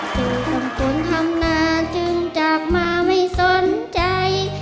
คุณคุณทำหนาจึงจากมาไม่สนใจ